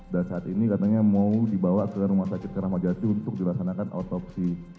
dan saat ini katanya mau dibawa ke rumah sakit ramadhani untuk dilaksanakan otopsi